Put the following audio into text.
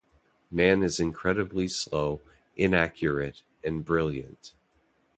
Man is incredibly slow, inaccurate, and brilliant.